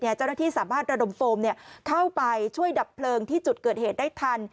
เจ้าหน้าที่สามารถระดมโฟมเข้าไปช่วยดับเพลิงที่จุดเกิดเหตุได้ทัน